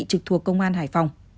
trực thuộc công an hải phòng